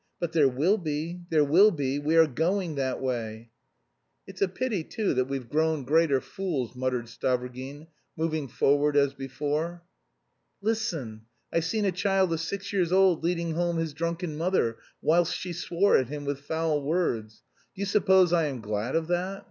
But there will be, there will be; we are going that way...." "It's a pity, too, that we've grown greater fools," muttered Stavrogin, moving forward as before. "Listen. I've seen a child of six years old leading home his drunken mother, whilst she swore at him with foul words. Do you suppose I am glad of that?